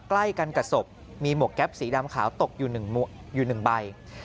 ใกล้กันกับศพมีหมวกแก๊ปสีดำขาวตกอยู่๑ใบ